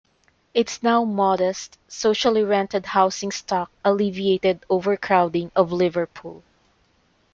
Its now-modest socially rented housing stock alleviated overcrowding of Liverpool.